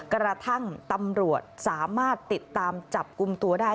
กระทั่งตำรวจสามารถติดตามจับกลุ่มตัวได้